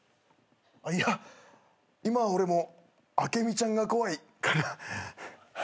いや今俺もアケミちゃんが怖いかな。